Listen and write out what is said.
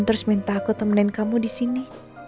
terus minta aku temenin kamu disini